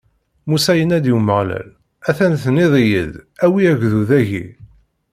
Musa yenna i Umeɣlal: A-t-an tenniḍ-iyi-d: Awi agdud-agi!